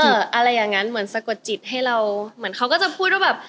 อะไรอย่างนั้นเหมือนสะกดจิตให้เราเหมือนเขาก็จะพูดว่าแบบ